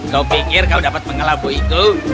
kau pikir kau dapat mengelabui itu